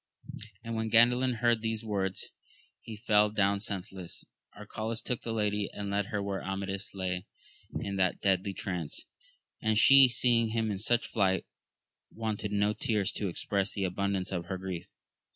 And when Oandalin heard these words, he fell down senseless. Arcalaus took the lady, and led her where Amadis lay in that deadly trance ; and she seeing him in such plight, wanted no tears to express the abundance of her grief.